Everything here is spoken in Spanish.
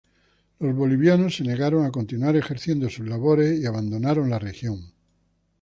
Los bolivianos se negaron a continuar ejerciendo sus labores y abandonaron la región.